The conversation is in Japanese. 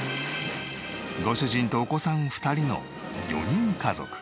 ご主人とお子さん２人の４人家族。